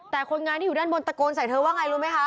แต่คนงานที่อยู่ด้านบนตะโกนใส่เธอว่าไงรู้ไหมคะ